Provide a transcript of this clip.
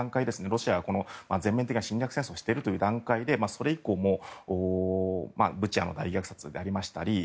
ロシアが全面的な侵略戦争をしているという段階でそれ以降もブチャの大虐殺がありましたし